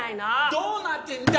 どうなってんだ！！